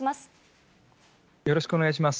よろしくお願いします。